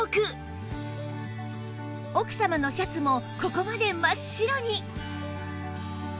奥様のシャツもここまで真っ白に！